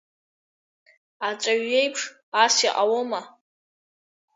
Аҵаҩ иеиԥш ас иҟалома?